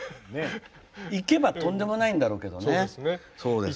行けばとんでもないんだろうけど。